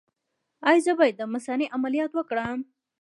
ایا زه باید د مثانې عملیات وکړم؟